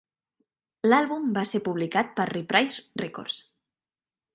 L'àlbum va ser publicat per Reprise Records.